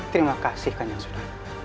terima kasih kanjang sunan